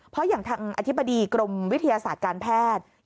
เพราะอย่างทางอธิบดีกรมวิทยาศาสตร์การแพทย์